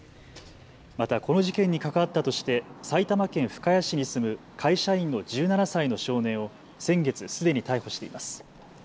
また、この事件に関わったとして埼玉県深谷市に住む会社員の１７歳の少年を先月、すでに逮捕しています。